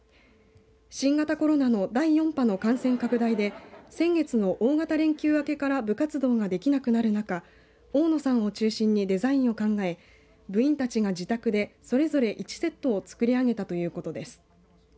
新型コロナ第４波の感染拡大で先月の大型連休明けから部活動ができなくなる中大野さんを中心にデザインを考え部員たちが自宅でそれぞれ１セットを作りあげたということです。